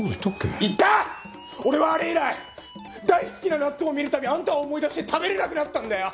俺はあれ以来大好きな納豆を見る度あんたを思い出して食べれなくなったんだよ